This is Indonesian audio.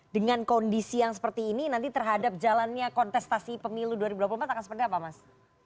dengan kondisi yang seperti ini nanti terhadap jalannya kontestasi pemilu dua ribu dua puluh empat akan seperti apa mas